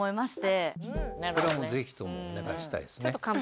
これはもうぜひともお願いしたいですね。